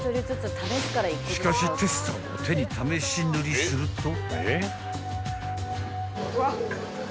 ［しかしテスターを手に試し塗りすると］